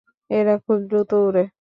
এরা খুব দ্রুত ওড়ে।